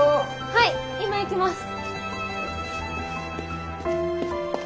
はい今行きます！